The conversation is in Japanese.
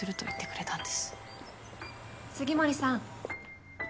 杉森さん。